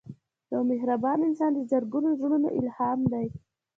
یو مهربان انسان د زرګونو زړونو الهام دی